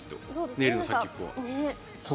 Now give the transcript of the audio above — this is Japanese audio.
ネイルの先っぽは。